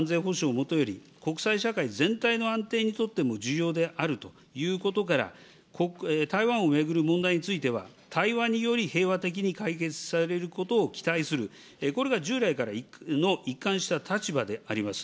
もとより、国際社会全体の安定にとっても重要であるということから、台湾を巡る問題については、対話により平和的に解決されることを期待する、これが従来からの一貫した立場であります。